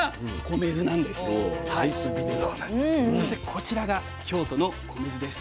そしてこちらが京都の米酢です。